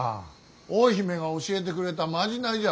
大姫が教えてくれたまじないじゃ。